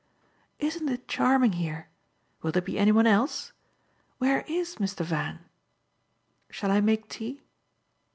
"Isn't it charming here? Will there be any one else? Where IS Mr. Van? Shall I make tea?"